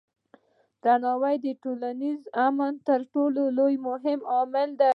درناوی د ټولنیز امن تر ټولو مهم عامل دی.